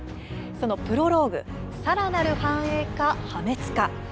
そのプロローグ「さらなる繁栄か破滅か」